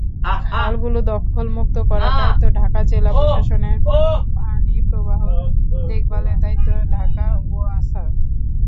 খালগুলো দখলমুক্ত করার দায়িত্ব ঢাকা জেলা প্রশাসনের, পানিপ্রবাহ দেখভালের দায়িত্ব ঢাকা ওয়াসার।